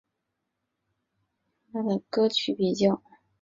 人们经常把此歌的音乐与女神卡卡的歌曲比较。